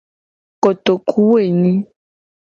Kotokuwoenyi.